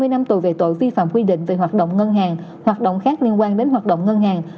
hai mươi năm tù về tội vi phạm quy định về hoạt động ngân hàng hoạt động khác liên quan đến hoạt động ngân hàng